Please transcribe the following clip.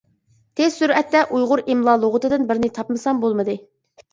تېز سۈرئەتتە ئۇيغۇر ئىملا لۇغىتىدىن بىرنى تاپمىسام بولمىدى.